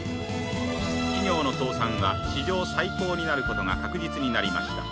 企業の倒産は史上最高になることが確実になりました。